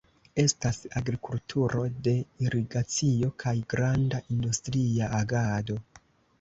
Estas agrikulturo de irigacio kaj granda industria agado.